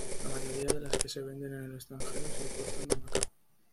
La mayoría de las que se venden en el extranjero se importa de Macao.